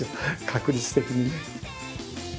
確率的にね。